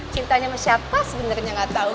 cintanya sama siapa sebenarnya nggak tahu